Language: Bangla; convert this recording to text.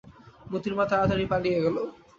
মোতির মা তাড়াতাড়ি পালিয়ে গেল।